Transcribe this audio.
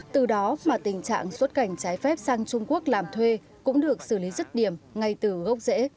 từ đó mà tình trạng xuất cảnh trái phép sang trung quốc làm thuê cũng được xử lý rứt điểm ngay từ gốc rễ